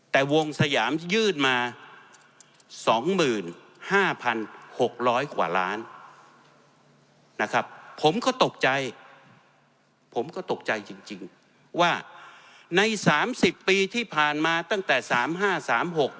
แต่วงสยามยื่นมา๒๕๖๐๐พันกว่าล้านนะครับผมก็ตกใจผมก็ตกใจจริงว่าใน๓๐ปีที่ผ่านมาตั้งแต่๓๕๓๖ปี